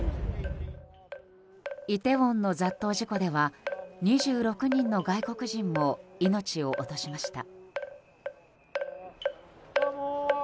イテウォンの雑踏事故では２６人の外国人も命を落としました。